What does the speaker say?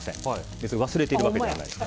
別に忘れているわけじゃないです。